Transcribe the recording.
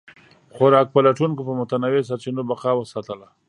خوراک پلټونکو په متنوع سرچینو بقا وساتله.